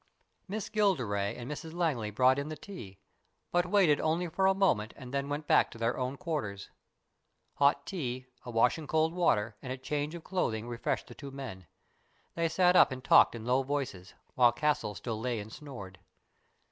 Miss Gilderay and Mrs Langley brought in the tea, but waited only for a moment and then went back to their own quarters. Hot tea, a wash in cold water, and a change of clothing refreshed the two men. They sat up and talked in low voices, while Castle still lay and snored.